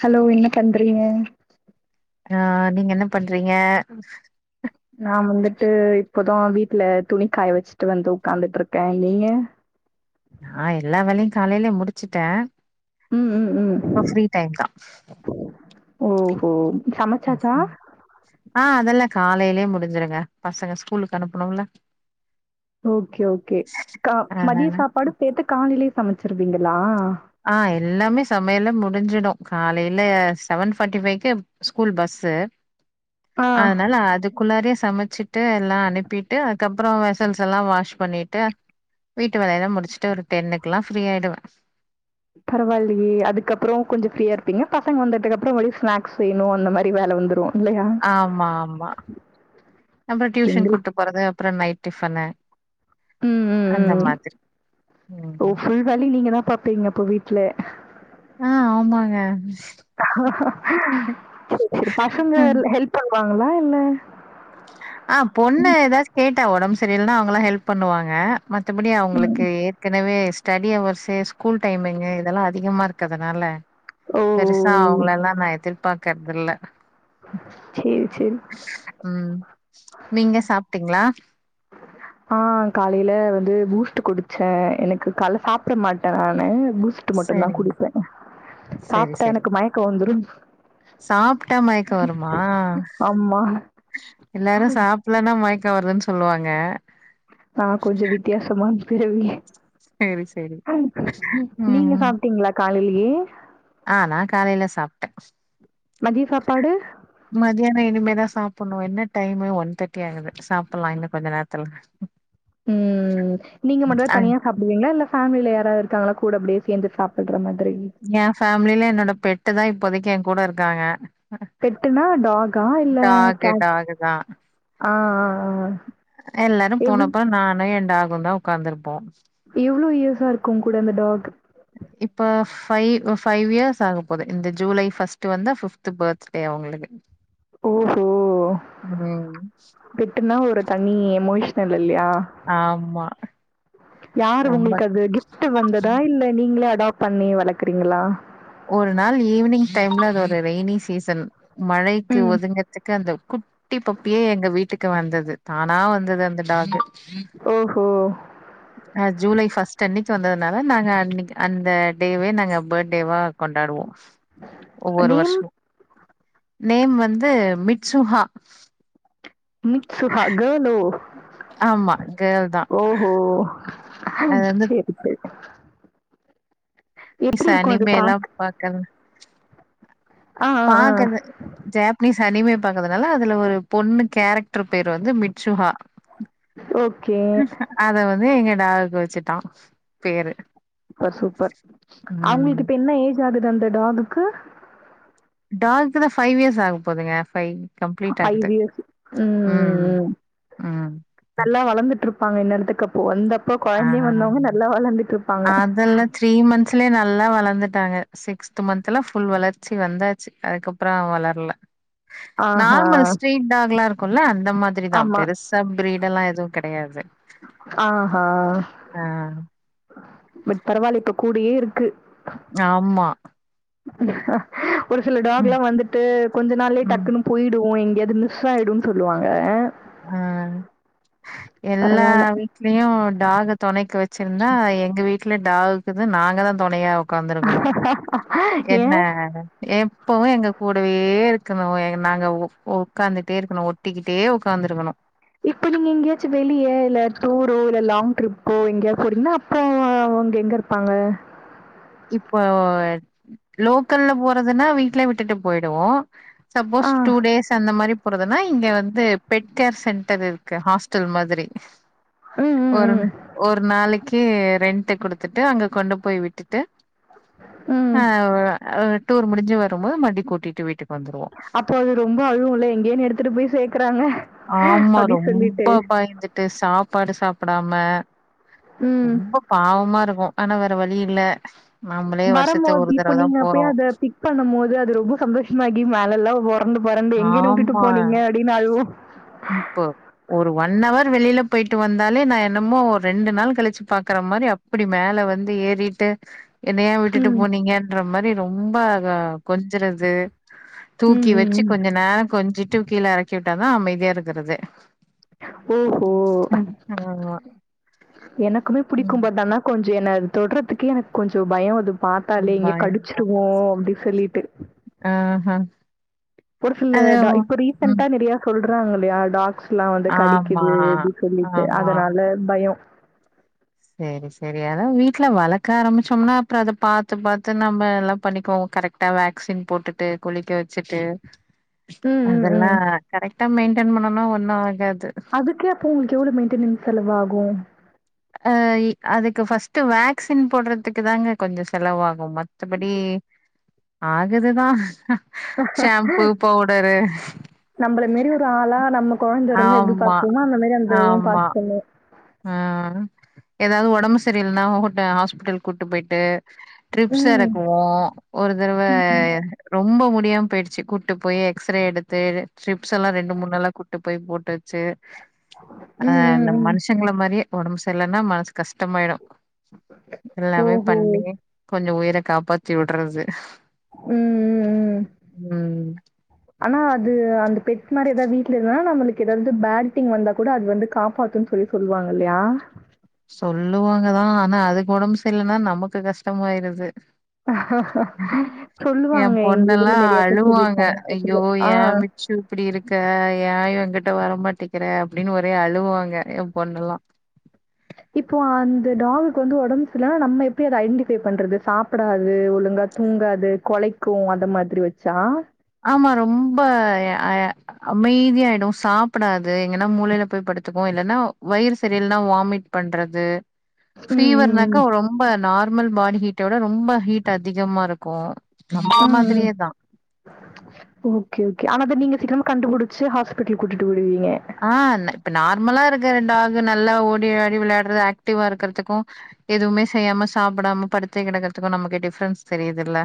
Hello என்ன பண்றீங்க ஆ நீங்க என்ன பண்றீங்க நா வந்துட்டு இப்போதா வீட்ல துணிக்காய வச்சுட்டு வந்து உக்காந்துட்டு இருக்கே நீங்க நா எல்லா வேலையு காலைலே முடிச்சுட்டே ம் ம் ம் இப்ப ஃப்ரீ டைம் தா ஓஹோ சமச்சாச்சா ஆ அதெல்லா காலைலே முடிஞ்சிருங்க பசங்க ஸ்கூலுக்கு அனுப்புனுல ஓகே ஓகே கா மதிய அதனால சாப்பாடு சேர்த்து காலைலே சமைச்சிருவீங்களா ஆ எல்லாமே சமையலே முடிஞ்சிடு காலைல செவன் ஃபார்ட்டி ஃபைவ்கு ஸ்கூல் பஸ்ஸு [inaudible] அதனால அது குள்ளாரயே சமைச்சிட்டு எல்லா அனுப்பிட்டு அதுக்கப்றோ வெசல்ஸ் எல்லா வாஷ் பண்ணிட்டு வீட்டு வேலைலா முடிச்சுட்டு ஒரு டென்னுக்குல்லா ஃப்ரீயா யிடுவே பரவால்லியே அதுக்கப்புறோ கொஞ்ச ஃப்ரீயா இருப்பீங்க பசங்க வந்ததுக்கு அப்புறோ ஒரே ஸ்னக்ஸ் செய்யணு அந்த மாரி வேல வந்துரு இல்லையா ஆமாமா அப்புறோ டியூஷன் எங்கள் கூட்டு போறது அப்புறோ நைட் டிஃபனு ம் ம் அந்த மாதிரி ம் சரி நீங்க தா பாப்பீங்க அப்போ வீட்ல ஆ ஆமாங்க. சேரி சேரி பசங்க ம் ஹெல்ப் பண்வாங்களா இல்ல ஆ பொண்ணு ஏதாச்சு கேட்டே உடம்பு சரில்லனா அவங்கதா ஹெல்ப் பண்ணுவாங்க மத்தபடி ம் அவங்களுக்கு ஏற்கனவே ஸ் ஸ்டடி ஹவர்ஸு ஸ்கூல் டைமிங்கு இதெல்லா அதிகமா இருக்கதுனால ஓ ஓ பெருசா ஓ அவங்களலா நா எதிர்பாக்கறதில்ல செரி செரி ம் நீங்க சாப்ட்டீங்களா ஆ காலைல வந்து பூஸ்ட்டு குடிச்சே எனக்கு கால்ல சாப்ட மாட்டே நானு பூஸ் டு மட்டுந்தா சரிங்க. குடிப்பே சரி சாப்ட்டா சரி. எனக்கு மயக்க வந்துரு சாப்ட்டா மயக்க வருமா ஆமா. எல்லாரு சாப் இல்லனா மயக்க வருதுன் சொல்லுவாங்க நா கொஞ்ச வித்தியாசமான் பிறவி சரி சரி. நீங்க ம் சாப்ட்டீங்ளா காலைலயே ஆ நா காலைல சாப்ட்டே மதிய சாப்பாடு மத்யான இனிமேதா சாப்பணு என்ன டைமு ஒன் தேர்ட்டி ஆகுது சாப்பல்லா இன்னு கொஞ்ச நேரத்துல ம் நீங்க ம் மட்டுதா அங் தனியா அப்டிங்ளா இல்ல ஃபேமில யாராது இருக்காங்களா கூட அப்டியே சேந்து சாப்பட்ற மாரி ஏ ஃபேமில என்னோட பெட்டு தா இப்போதைக்கு எ கூட இருக்காங்க பெட்டுனா டாகா இல்ல டாகு கேட் டாகு ஆ ஆ ஆ எல்லாரு எவ்ளோ போனப்பறோ நானு எ டாகுதா தா உக்காந்துருப்போ எவ்ளோ இயர்ஸா இருக்கு உங்கூட அந்த டாக் இப்ப ஃபைவ் ஃபைவ் இயர்ஸ் ஆக போது இந்த ஜூலை பஸ்ட்டு வந்தா பிப்த் பர்த்டே அவங்களுக்கு ஓஹோ ம். பெட்டுன்னா ஒரு தணி எமோஷனல் இல்லயா ஆம்மா யாரு உங்களுக்கு அது கிஃப்ட்டு வந்ததா இல்ல நீங்களே அடாப்ட் பண்ணி வளக்குறீங்களா ஒரு நாள் ஈவினிங் டைம்ல அது ஒரு ரெய்னி சீசன் மழைக்கு ம். ஒதுங்க துக்கு அந்த குட்டி பப்பியே எங்க வீட்டுக்கு வந்தது தானா வந்தது அந்த டாக்கு ஓஹோ ஆ ஜூலை ஃபர்ஸ்ட்டு அன்னைக்கு வந்ததுனால நாங்க அன் அந்த டேவே நாங்க பர்டேவா கொண்டாடுவோ ஒவ்வொரு நேம் வருஷமு நேம் வந்து மிட்சுஹா மிட்சுகா கேர்ள் ஓ ஆமா கேர்ள் தான். ஓஹோ அ அது வந்து ச எப்படி இருக்கும் அது சனிமேல்லாம் பாக்க ஆ, ஆ, ஆ. பாக்கது ஜாப்பனீஸ் அனிமை பாக்கறதுனால அதுல ஒரு பொண்ணு கேரக்டர் பேர் வந்து மிட்சுஹா ஓகே அத வந்து எங்க டாகுக்கு வச்சுட்டா பர் சூப்பர் ம். அவங்களுக்கு இப்ப என்ன ஏஜ் ஆகுது அந்த டாகுக்கு டாக்கு தா ஃபைவ் இயர்ஸ் ஆக போதுங்க ஃபைவ் ஃபைவ் இயர்ஸ் ம் ம் ம் ம். நல்லா வளந்துட்ருப்பாங்க இன்னேர்த்துக்கு அப்போ வந்தப்போ கொழந்தையா வந்தவங்க நல்லா வளர்ந்துட்ருப் அதெல்லா த்ரீ மந்த்ஸ்லயே நல்லா வளந்துட்டாங்க சிக்ஸ்த் மந்த்துல்லா புல் வளர்ச்சி வந்தாச்சு அதுக்கப்பற அவ வளர்ல ஆஹா! நார்மல் ஸ்ட்ரீட் டாக்ல்லா இருக்குல்ல அந்த மாரிதா ஆமா. பெருசு ச ப்ரீடல்லாம் எதுவும் கெடையாது ஆஹா ஆ பட் பரவாயில்ல இப்ப கூடயே இருக்கு ஆம்மா ஒரு சில டாக் ம் எல்லாம் வந்துட்டு கொஞ்ச நாள்யே ம் டக்குன்னு போய்டும் எங்கேயாவது மிஸ் ஆய்டும்னு சொல்லுவாங்க அ எல்லா பரவால்ல. வீட்லயும் டாக்க தொணைக்கு வச்சிருந்தா எங்க வீட்ல டாகுக்கு நாங்க தான் தொணையா உட்காந்துருக்கணும் என்ன ஏன்? எப்பவும் எங்க கூடவே இருக்கணும் நாங்க உக் உட்காந்துட்டே இருக்கணும் ஒட்டிக்கிட்டே உக்காந்திருக்கணும் இப்ப நீங்க எங்கேயாச்சும் வெளியே இல்ல டூரோ இல்ல லாங் ட்ரிப்போ எங்கேயா போனீங்கன்னா அப்போ அவங்க எங்க இரு பாங்க இப்போ லோக்கல்ல போறதுன்னா வீடல் விட்டுட்டு போய்டுவோம் ஆ. சப்போஸ் டூ டேஸ் அந்த மாரி போறதுனா இங்க வந்து பெட் கேர் சென்டர் இருக்கு ஹாஸ்டல் மாதிரி ம், ம், ஒரு ம். ஒரு நாளைக்கு ரெண்ட் குடுத்துட்டு அங்க கொண்டு போய் விட்டுட்டு ம். ஆ டூர் முடிஞ்சு வரும்போது மருப்டி கூட்டிட்டு வீட்டுக்கு வந்துடுவோம் அப்போ அது ரொம்ப அழுவும் இல்ல எங்கேன்னு எடுத்துட்டு போய் சேர்க்கறாங்க ஆமா அப்டி ரொம்ப சொல்லிட்டு. பயந்து ட்டு சாப்பாடு சாப்படாம ம். ரொம்ப பாவமா இருக்கும் ஆனா வழி இல்ல நாமளே வருஷத்து வரும்போது ஒரு இப்ப தடவ தா நீங்க அப்ப போறோ அத பிக் பண்ணும் போது அது ரொம்ப சந்தோஷமாகி மேலெல்லாம் ஒர பறந்து பறந்து எங்கேயன்னு வுட்டுட்டு போனீங்க அப்டீன்னு அழுவும் ப்போ ஒரு ஒன் ஹவர் வெளில போய்ட்டு வந்தாலே நான் என்னமோ ஒரு ரெண்டு நாள் கழிச்சு பாக்குற மாரி அப் அப்டி மேல வந்து ஏறிட்டு என்ன ஏன் விட்டுட்டு ம் போனீங்கன்ற மாரி ரொம்ப அத கொஞ்சுறது ம் தூக்கி ம் வச்சு ம் கொஞ்ச நேரம் கொஞ்சிட்டு கீழ இறக்கி விட்டாதா அமைதியா இருக்குறதே ஓஹோ எனக்குமே புடிக்கு ம் பட் ஆனா கொஞ்சோ என அது தொட்றதுக்கே எனக்கு கொஞ்சோ பயம் அது பாத்தாலே எங்க பயமா கடிச்சிடுமோ அப்டி சொல்லிட்டு ஆ ஹ ஒரு சில டா இப்ப ரீசெண்டா ம் நெறயா சொல்றாங்கல்லையா டாக்ஸ் லாம் வந்து ஆமா கடிக்குது அப்டினு சொல்லிட்டு ஆமா அதனால பயம் சேரி சேரி அதான் வீட்ல வளக்க ஆரம்பிச்சோனா அப்புறம் அதை பாத்து பாத்து நம்ம எல்லா பண்ணிக்குவோம் கரெக்ட் அத வேக்சின் போட்டுட்டு குளிக்க வச்சுட்டு ம் ம் அதெல்லா ம் கரெக்டா மெயின்டெய்ன் பண்ணுனா ஒண்ணு ஆகாது அதுக்கு அப்போ உங்களுக்கு எவ்ளோ மெயின்டெனிங்ஸ் செலவு ஆகு அ அதுக்கு ஃபஸ்ட் வேக்சின் போடுறதுக்கு தாங்க கொஞ்சோ செலவாகு மத்தபடி ஆகுது தான் ஷாம்பூ பவுடரு நம்மள மீறி ஒரு ஆளா நம்ம கொழந்த இருந்தா எப்டி ஆமா பாத்துபோமோ அந்த மாரி அந்த இதுவும் ஆமா. பாத்துபீங்க ஆ ஏதாவது ஒடம்பு சரியல்ன்னா ஹோட் ஹாஸ்பிட்டல் கூட்டு போய்ட்டு ட்ரிப்ஸ் ம் எறக்குவோ ஒரு தரவ ரொம்ப முடியாம போயிடுச்சு கூ ட்டு போய் எக்ஸ்ரே எடுத்து டிரிப்ஸ் எல்லா ரெண்டு மூணு நாளா கூட்டு போய் போட்டு வச்சு அ ம் ம் நம் ம் மனுஷங்கள மாரியே ஒடம்பு செர்லன்னா மனசு கஷ்டமாயிடு எல்லாமே ஓஹோ பண்ணி கொஞ்சோ உயிர காப்பாத்திவுட்றது ம் ம் ம் அனா அது அந்த பெட் மாரி எதாவ் வீட்ல இருந்தனா நம்மளுக்கு எதாவது பேட் திங் வந்தா கூட அது வந்து காப்பாத்துன் பொய் சொல்லுவாங்கல்யா சொல்லுவாங்கதா அனா அதுக்கு ஒடம்பு செர்லன்னா நமக்கு கஷ்டமாயிருது எ சொல்லுவாங்க எங்க இதுல பொண்னெல்லா நெறைய பேர் அழுவாங்க சொல்லியிருக்காங்க. ஐயோ ஆ ஏ மி சூ இப்படி இருக்க ஏ எங்கிட்ட வரமாட்டிக்கற அப்டின்னு ஒரே அழுவாங்க எ பொண்ணுல்லா இப்போ அந்த டாகுக்கு வந்து ஒடம்பு சர்லனா நம்ம எப்டி அத ஐடென்டிஃபை பண்றது சாப்படாது ஒழுங்கா தூங்காது கொழைக்கு அந்த மாதிரி வச்சா ஆமா ரொம்ப அ அமைதியாயிடு சாப்டாது எங்கன்னா மூளைல போய் படுத்துக்கு இல்லன்னா வயிறு சரி இல்லனா வாமிட் பண்றது ம், ம், ஃபீவர்னாக்கா ம். ரொம்ப நார்மல் பாடி ஹீட்டோட ரொம்ப ஹீட் அதிகமா இருக்கு நம்மல ம், ம். மாதிரியேதா ஓகே ஓகே அனா அத நீங்க சீக்கிறமா கண்டுபுடிச்சு ஹாஸ்பிட்டல் கூட்டிட்டு ஓடுவீங்க அ ந இப்ப நார்மலா இருக்கற டாகு நல்லா ஓடியாடி விளையாடுறது ஆக்டிவா இருக்கறதுக்கு எதுவுமே செய்யாம சாப்படாம படுத்தே கெடக்கறதுக்கு நமக்கு டிஃப்ரென்ஸ் தெரியுதுல்ல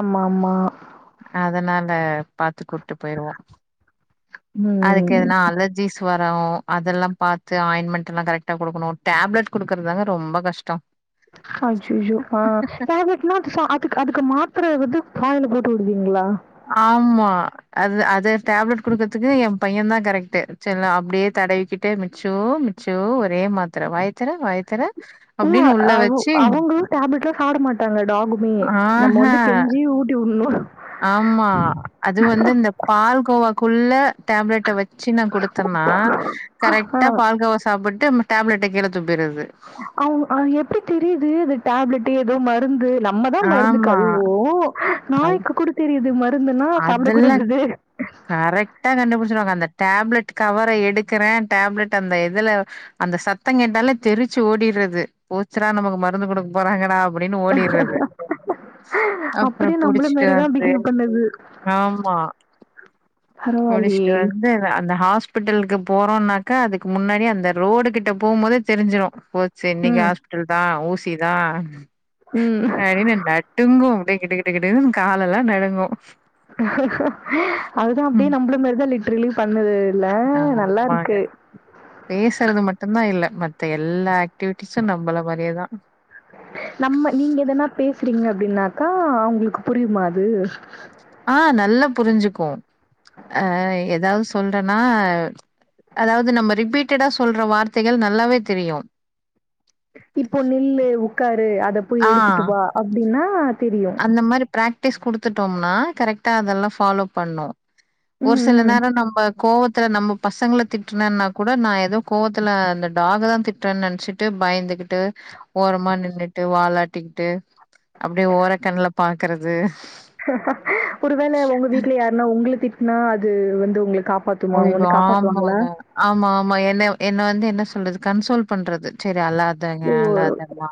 ஆமா, ஆமா. அதனால பாத்து கூட்டு போயிருவோ ம் கெதுனா அல ஜீஸ் வரு அதல்லா பாத்து ஆயின்மெண்ட் எல்லா கரெக்டா குடுக்கணு டேப்லெட் குடுக்கறதாங்க ரொம்ப கஷ்டோ அய்யய்யோ ஆ டேப்லெட் [unintelligible] சா அதுக்கு அதுக்கு மாத்தர வந்து வாயில போட்டுவுடுவீங்களா ஆமா அது அது டேப்லெட் குடுக்கறதுக்கு எ பைய தா கரெக்ட்டு சேர் லா அப்டியே தடவிக்கிட்டு மிச்சு சூ ஒரே மாத்தர வாயத்தர வாயத்தர அப்டின் உள்ள வச்சி டேப்லெட்லா சாப்ட மாட்டாங்க டாகுமே நம்ப வந்து ஆஹா கெஞ்சி ஊட்டிவுடணு ஆமா அது வந்து இந்த பால் கோவாக்குள்ள டேப்லெட்ட வெச் ச்சி நா குடுத்தன்னா ஆ கரெக்டா பால் கோவா சாப்ட்டு டேப்லெட்ட கீழ துப்பிர்றது அவுக அது எப்டி தெரியிது அது டேப்லெட்டு எதோ மருந்து நம்பதா மருந்து ஆமா கழுவோ அய் நாய்க்கு கூட தெரியிது மருந்துன்னா சாப்பட அதெல்லா கூடாதது கரெக்டா கண்டுபுடிச்சிருவாங்க அந்த டேப்லெட் கவர எடுக்கறே டேப்லெட் அந்த இதுல அந்த சத்தோ கேட்டாலே தெரிச்சி ஓடிறது போச்சுரா நமக்கு மருந்து குடுக் போறாங்கடா அப்டின்னு ஓடிறது அப்பறோ புடிச்சிட்டு வந்து இது ஆமா முடிச்சிட்டு பரவாயில்லையே! வந்து அந்த ஹாஸ் பிட்டலுக்கு போறோனாக்க அதுக்கு முன்னாடியே அந்த ரோடு கிட்ட போம்போதே தெரிஞ்சிரு போச்சு இன்னிக்கு ம். ஹாஸ் பிட்டல்தா ஊசி தா ம். அப்டின்னு நட் டுங்கு அப்டியே கிடுகிடுன் காலெல்லா நடுங்கு அதுதா அப்டியே ம் நம்பளமாரிதா லிட்ரலி பண்ணுது இல்ல நல்லாருக்கு பேசறது மட்டுதா இல்ல மத்த எல்லா ஆக்டிவிட்டிஸு நம்பள மாறியேதா நம்ப நீங்க எதனா பேசுறீங்க அப்டின்னாக்கா அவுங்களுக்கு புரிமா அது ஆ நல்லா புரிஞ்சுக்கு அ எதாவது சொல்றன்னா அதாவது நம்ம ரிப்பீட்டடா சொல்ற வார்த்தைகள் நல்லாவே தெரியு. இப்போ நில்லு உக்காரு அத போய் ஆ எடுத்துட்டு வா அப்டின்னா தெரியு. இந்த மாரி பிராக்டிஸ் குடுத்துட்டோம்னா கரெக்ட்டா அதெல்லா ஃபாலோ பண்ணு. ஒரு ம் சில ம் நேரோ நம்ப கோவத்துல நம்ம பசங்ள திட்டுனன்னா கூட நா எதோ கோவத்துல அந்த டாகதா திட்றன் நெனச்சிட் ட்டு பயந்துகிட்டு ஓரமா நின்னுட்டு வாலாட்டிக்கிட்டு அப்டியே ஓர க்கண்ல பாக்கறது ஒருவேள உங்க வீட்ல யாருன்னா உங்ள திட்னா அது வந்து உங்ள காப்பாத் அய்யோ ஆமாங்க ஆமா ஆமா என்ன என்ன வந்து என்ன சொல்றது கன்சோல் பண்றது செரி அழாதங்க ஓ அழாதம்மா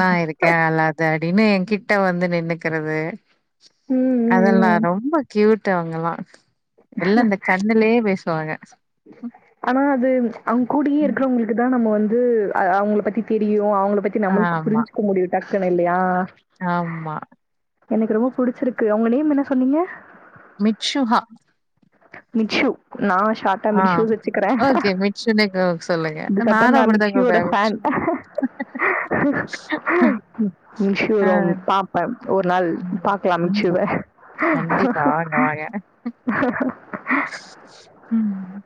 நா இருக் கே அழாத அப்டினு எ கிட்ட வந்து நின்னுக்கிறது. ம் ம் அதல்லா ம் ரொம்ப கியூட்டு அவங்கெல்லா எல்லா இந்த தில்லையே பேசுவாங்க. ஆனா அது அவுங் கூடியே ம். இருக்றவங்களுக்கு தா நம்ப வந்து ஆ அவுங்ள பத்தி தெரியு அவங்ள ப த்தி நம்முள்க்கு ஆமா புரிஞ்க்க முடியு டக்குனு இல்லையா? ஆமா எனக்கு ரொம்ப புடிச்சிருக்கு உங்க நேம் என்ன சொன்னீங்க? மிட்சுகா. மிட்சு நா ஷாட்டா மிடிசுனு வெச்சுகறே. சினேகோவுக் சொல்லுங்க அ நானு அப்டிதா கூப்டுவே மிட்சு. ம் மிட்சு ஆ. ரொம் பாப் பப் ஒரு நாள் ம். பாக்லா மிட்சுவ. ம். கண்டிப்பா. வாங்க, வாங்க. ம்.